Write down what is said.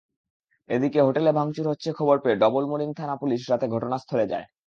এদিকে হোটেলে ভাঙচুর হচ্ছে খবর পেয়ে ডবলমুরিং থানার পুলিশ রাতে ঘটনাস্থলে যায়।